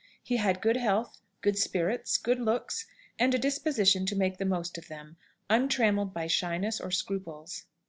He had good health, good spirits, good looks, and a disposition to make the most of them, untrammelled by shyness or scruples.